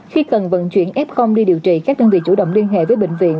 khi cần vận chuyển f đi điều trị các đơn vị chủ động liên hệ với bệnh viện